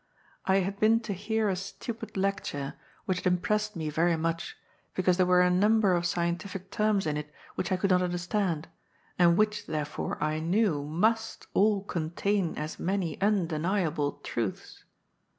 I had been to hear a stupid lecture, which had impressed me very much, because there were a number of scientific terms in it which I could not understand, and which, therefore, I knew must all contain as many undeniable truths.